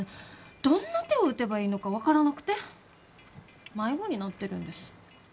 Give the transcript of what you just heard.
どんな手を打てばいいのか分からなくて迷子になってるんです。